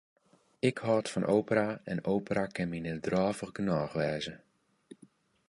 Ik hâld fan opera en opera kin my net drôvich genôch wêze.